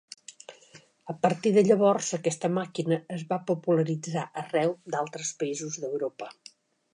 A partir de llavors aquesta màquina es va popularitzar arreu d'altres països d'Europa.